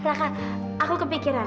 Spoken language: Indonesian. eh raka aku kepikiran